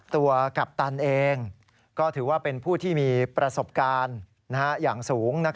กัปตันเองก็ถือว่าเป็นผู้ที่มีประสบการณ์อย่างสูง